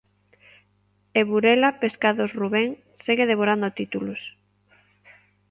E Burela Pescados Rubén segue devorando títulos.